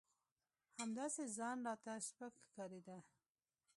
همداسې ځان راته سپک ښکارېده.